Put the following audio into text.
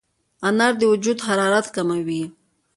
انار د وجود حرارت کموي.